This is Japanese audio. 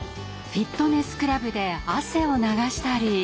フィットネスクラブで汗を流したり。